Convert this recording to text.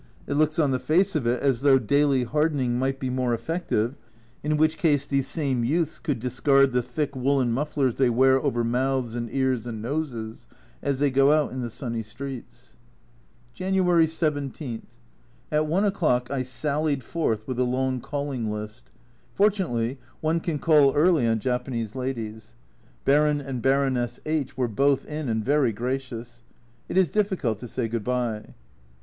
It looks on the face of it as though daily hardening might be more effective, in which case these same youths could discard the thick woollen mufflers they wear over mouths and ears and noses as they go out in the sunny streets. A Journal from Japan 261 January 17. At i o'clock I sallied forth with a long calling list. Fortunately, one can call early on Japanese ladies. Baron and Baroness H were both in, and very gracious. It is difficult to say "good bye."